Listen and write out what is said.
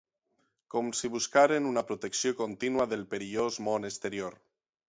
Com si buscàrem una protecció contínua del perillós món exterior.